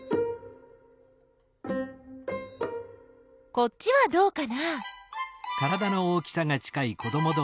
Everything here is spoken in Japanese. こっちはどうかな？